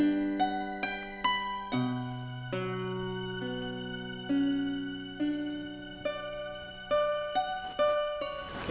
assalamualaikum warahmatullahi wabarakatuh